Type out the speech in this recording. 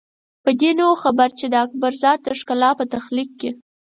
په دې نه وو خبر چې د اکبر ذات د ښکلا په تخلیق کې.